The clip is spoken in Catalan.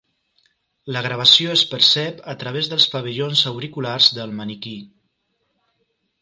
La gravació es percep a través dels pavellons auriculars del maniquí.